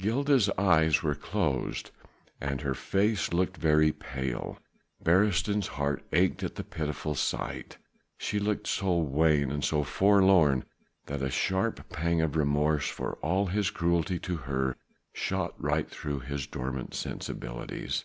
Gilda's eyes were closed, and her face looked very pale: Beresteyn's heart ached at the pitiful sight. She looked so wan and so forlorn that a sharp pang of remorse for all his cruelty to her shot right through his dormant sensibilities.